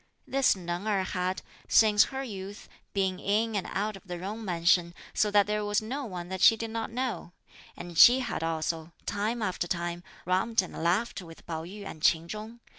This Neng Erh had, since her youth, been in and out of the Jung mansion, so that there was no one that she did not know; and she had also, time after time, romped and laughed with Pao yü and Ch'in Chung.